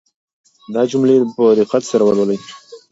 دا جملې په دقت سره ولولئ.